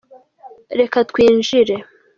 reka twinjire.